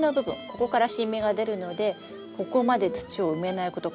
ここから新芽が出るのでここまで土を埋めないこと。